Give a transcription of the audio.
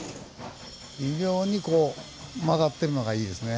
微妙に曲がってるのがいいですね。